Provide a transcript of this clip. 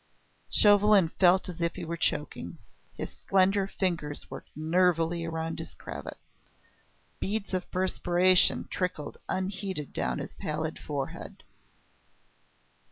Chauvelin felt as if he were choking; his slender fingers worked nervily around his cravat; beads of perspiration trickled unheeded down his pallid forehead.